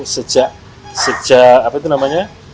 sejak sejak apa itu namanya